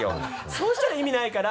そうしたら意味ないから。